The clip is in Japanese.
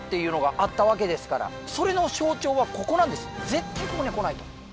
絶対ここには来ないと！